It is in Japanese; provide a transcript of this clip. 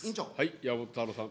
山本太郎さん。